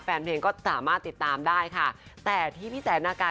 แฟนเพลงก็สามารถติดตามได้ค่ะแต่ที่พี่แสนนากา